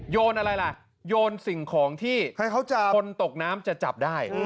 โยนอะไรล่ะโยนสิ่งของที่คนตกน้ำจะจับได้